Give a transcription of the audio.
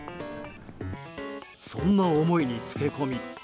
そんな思いにつけ込み